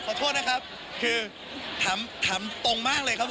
ขอโทษนะครับคือถามตรงมากเลยครับ